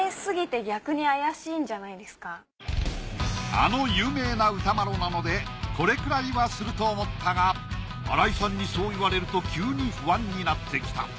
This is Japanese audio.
あの有名な歌麿なのでこれくらいはすると思ったが新井さんにそう言われると急に不安になってきた。